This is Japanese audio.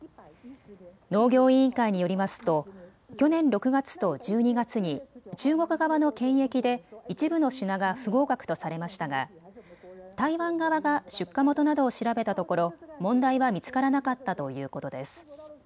農業委員会によりますと去年６月と１２月に中国側の検疫で一部の品が不合格とされましたが、台湾側が出荷元などを調べたところ問題は見つからなかったということです。